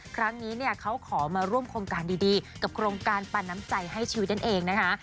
ครั้งนี้เนี่ยเขาขอมาร่วมโครงการดีกับโครงการปันน้ำใจให้ชีวิตนั่นเองนะคะ